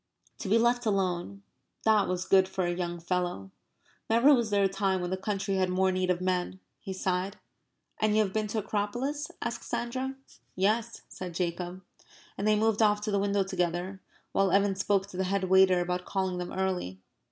To be left alone that was good for a young fellow. Never was there a time when the country had more need of men. He sighed. "And you have been to the Acropolis?" asked Sandra. "Yes," said Jacob. And they moved off to the window together, while Evan spoke to the head waiter about calling them early.